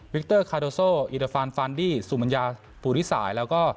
กเตอร์คาโดโซอิดาฟานฟานดี้สุมัญญาภูริสายแล้วก็